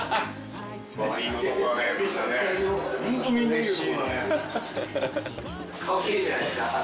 うれしいね。